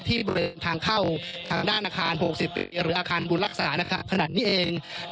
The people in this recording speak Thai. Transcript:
ที่บริเวณทางเข้าทางด้านอาคาร๖๐หรืออาคารบุญลักษณะขนาดนี้เอง